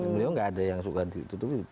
beliau nggak ada yang suka ditutup